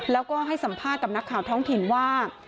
แล้วก็ให้สัมภาษณ์กับนักข่าวท้องถิ่นว่า